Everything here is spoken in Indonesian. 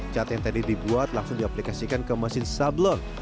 cat yang tadi dibuat langsung diaplikasikan ke mesin sablon